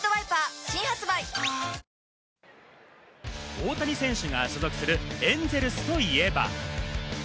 大谷選手が所属するエンゼルスといえば。